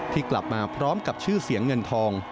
กลับมาพร้อมกับชื่อเสียงเงินทอง